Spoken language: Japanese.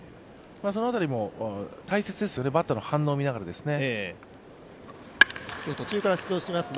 その辺りも大切ですよね、バッターの反応を見ながらですね。